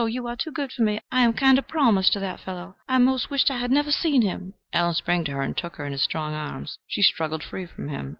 You are too good for me. I am kind of promised to that fellow. I 'most wish I had never seen him." Allen sprang to her and took her in his strong arms: she struggled free from him.